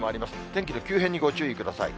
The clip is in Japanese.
天気の急変にご注意ください。